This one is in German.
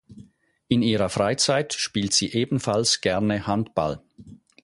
In ihrer Freizeit spielt sie ebenfalls gerne Handball.